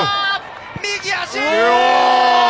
右足！